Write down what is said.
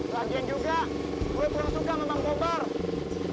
lagi yang juga gue terang suka sama black cobra